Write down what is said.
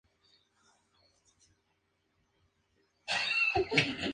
Realizó los estudios de bachillerato en el Seminario Menor de Cartago.